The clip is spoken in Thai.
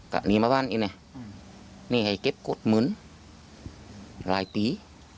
กะหนีมาบ้านอีกน่ะอืมนี่ให้เก็บโกรธหมืนหลายปีอ๋อ